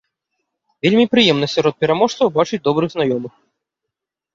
Вельмі прыемна сярод пераможцаў бачыць добрых знаёмых.